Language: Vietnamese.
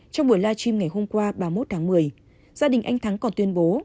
trong buổi live stream ngày hôm qua ba mươi một tháng một mươi gia đình anh thắng còn tuyên bố